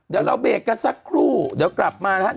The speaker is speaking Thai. เดี๋ยวเราเบรกกันสักครู่เดี๋ยวกลับมานะครับ